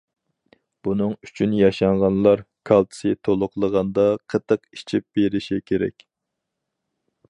بۇنىڭ ئۈچۈن ياشانغانلار كالتسىي تولۇقلىغاندا قېتىق ئىچىپ بېرىشى كېرەك.